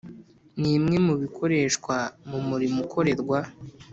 Ni imwe mu bikoreshwa mu murimo ukorerwa